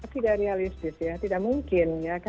tidak realistis ya tidak mungkin